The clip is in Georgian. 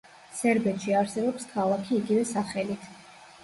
სერბეთში არსებობს ქალაქი იგივე სახელით.